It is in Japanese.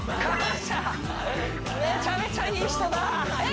めちゃめちゃいい人だえ！